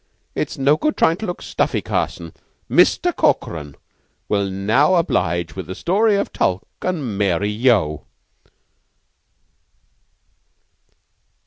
It's no good tryin' to look stuffy, Carson. Mister Corkran will now oblige with the story of Tulke an' Mary Yeo!"